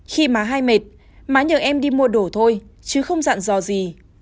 khi mà hai mệt má nhờ em đi mua đồ thôi chứ không dặn dò gì